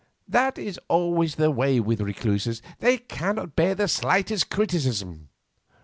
"That is always the way with recluses; they cannot bear the slightest criticism.